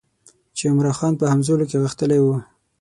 چې عمرا خان په همزولو کې غښتلی وو.